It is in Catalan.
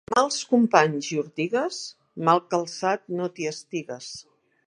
Entre mals companys i ortigues, mal calçat no t'hi estigues.